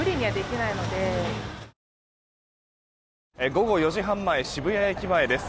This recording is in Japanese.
午後４時半前渋谷駅前です。